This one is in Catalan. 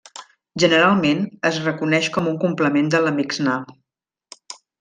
Generalment, es reconeix com un complement de la Mixnà.